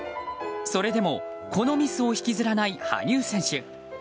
それでもこのミスを引きずらない羽生選手。